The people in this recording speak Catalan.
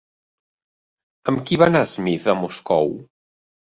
Amb qui va anar Smith a Moscou?